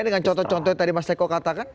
dengan contoh contoh yang tadi mas eko katakan